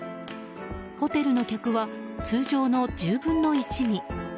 ホテルの客は通常の１０分の１に。